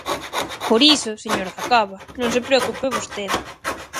Por iso, señor Dacova, non se preocupe vostede.